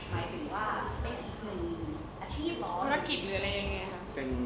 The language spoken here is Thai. หมายถึงว่าเป็นอีกหนึ่งอาชีพหรอ